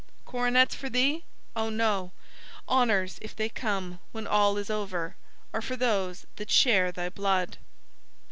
Coronets for thee! O no! Honors, if they come when all is over, are for those that share thy blood.